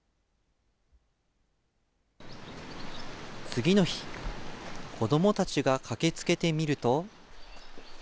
次の日、子どもたちが駆けつけてみると。